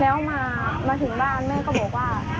แล้วมาถึงบ้านแม่ก็บอกว่า